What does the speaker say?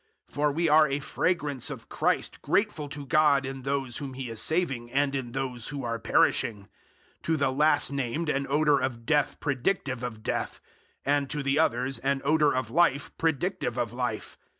002:015 For we are a fragrance of Christ grateful to God in those whom He is saving and in those who are perishing; 002:016 to the last named an odor of death predictive of death, and to the others an odor of life predictive of life.